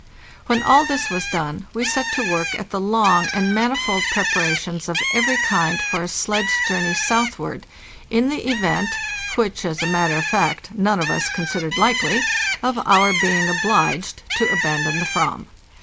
When all this was done we set to work at the long and mani fold preparations of every kind for a sledge journey southward, in the event (which, as a matter of fact, none of us considered likely) of our being obliged to abandon the /ram.